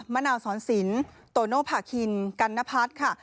มะนาวสอนสินโตโนภาคินกันนพัฒน์ค่ะ